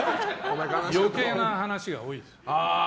余計な話が多いですね。